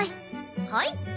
はい。